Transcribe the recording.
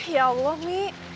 ya allah mi